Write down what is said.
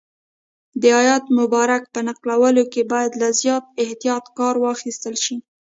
د آیت مبارک په نقلولو کې باید له زیات احتیاط کار واخیستل شي.